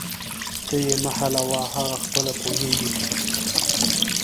ته یې مه حلوه، هغه خپله پوهیږي